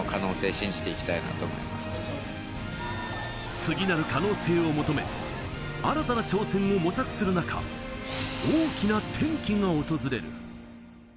次なる可能性を求め、新たな挑戦を模索する中、大きな転機が訪れる。